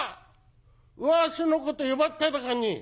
わしのこと呼ばっただかに？」。